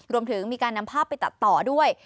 รวมถึงมีการนำภาพไปตัดต่อด้วย